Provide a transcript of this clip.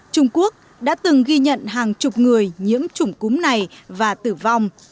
trung quốc đã từng ghi nhận hàng chục người nhiễm chủng cúm này và tử vong